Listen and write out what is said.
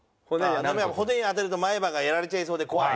骨に当たると前歯がやられちゃいそうで怖い？